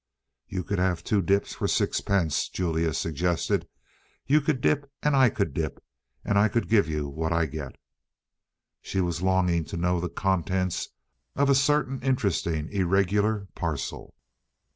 "You could have two dips for sixpence," Julia suggested. "You could dip and I could dip, and I could give you what I get." She was longing to know the contents of a certain interesting irregular parcel.